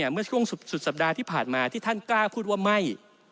เมื่อช่วงสุดสัปดาห์ที่ผ่านมาที่ท่านกล้าพูดว่าไม่